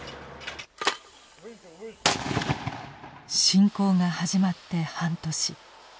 侵攻が始まって半年。